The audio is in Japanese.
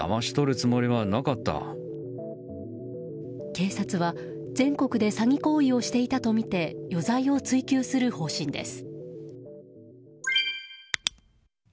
警察は全国で詐欺行為をしていたとみて余罪を追及する方針です。